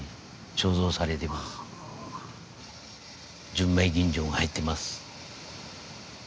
純米吟醸が入ってます。